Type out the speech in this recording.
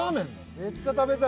めっちゃ食べたい。